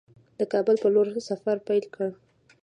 د کابل پر لور سفر پیل کړ.